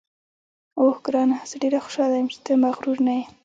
اوه ګرانه، زه ډېره خوشاله یم چې ته مغرور نه یې.